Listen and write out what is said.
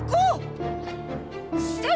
kalau pernah boleh kabur